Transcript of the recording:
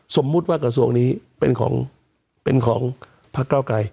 สมมุติว่ากระทรวงนี้เป็นของถ้าเกล้าใกล้